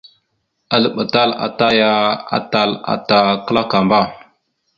Azləɓatal ata aya atal ata klakamba.